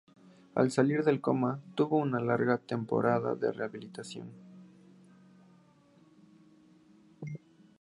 Al salir del coma tuvo una larga temporada en rehabilitación.